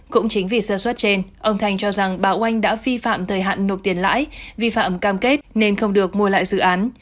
cũng chính vì sơ suất trên ông thành cho rằng bà oanh đã vi phạm thời hạn nộp tiền lãi vi phạm cam kết nên không được mua lại dự án